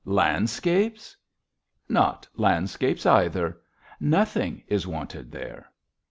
Landscapes?" "Not landscapes either. Nothing is wanted there."